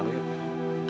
kamu temen aku